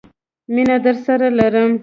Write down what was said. مینه درسره لرم